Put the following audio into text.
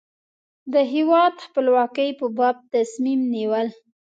د هېواد خپلواکۍ په باب تصمیم نیول.